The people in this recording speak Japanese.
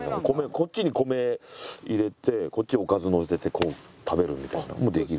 こっちに米入れてこっちにおかずのせてこう食べるみたいなのもできる。